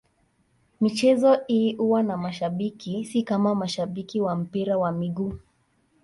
Michezo hii huwa na mashabiki, si kama mashabiki wa mpira wa miguu.